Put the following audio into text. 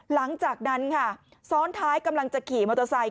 หลังจากนั้นค่ะซ้อนท้ายกำลังจะขี่มอเตอร์ไซค